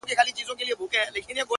په قېمت لکه سېپۍ او مرغلري٫